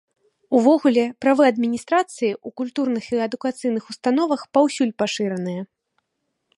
Увогуле, правы адміністрацыі ў культурных і адукацыйных установах паўсюль пашыраныя.